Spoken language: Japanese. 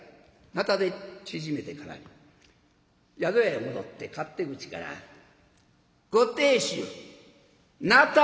なたで縮めてからに宿屋へ戻って勝手口から「ご亭主なた